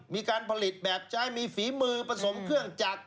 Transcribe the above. มีการผลิตแบบใช้มีฝีมือผสมเครื่องจักร